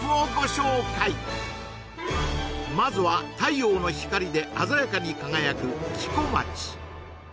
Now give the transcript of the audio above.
まずは太陽の光で鮮やかに輝く黄小町